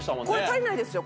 足りないですよ